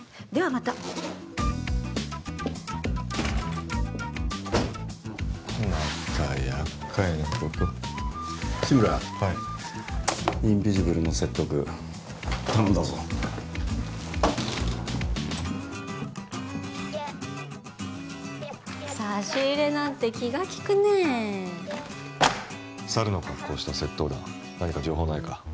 またまたやっかいなこと志村はいインビジブルの説得頼んだぞ差し入れなんて気が利くね猿の格好をした窃盗団何か情報ないか？